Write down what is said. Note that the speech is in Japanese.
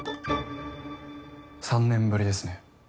３年ぶりですね。